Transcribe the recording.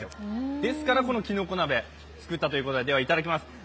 ですからこのきのこ鍋を作ったということででは、いただきます。